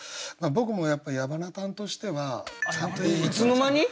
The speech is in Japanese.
僕もやっぱ矢花担としては。いつの間に！？